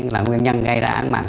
là nguyên nhân gây ra án mạng